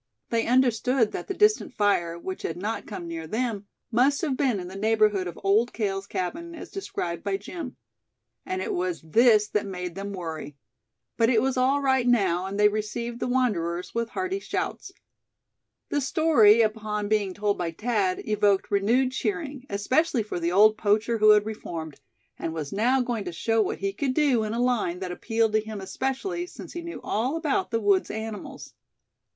They understood that the distant fire, which had not come near them, must have been in the neighborhood of Old Cale's cabin, as described by Jim; and it was this that made them worry. But it was all right now, and they received the wanderers with hearty shouts. The story, upon being told by Thad, evoked renewed cheering, especially for the old poacher who had reformed, and was now going to show what he could do in a line that appealed to him especially, since he knew all about the woods' animals.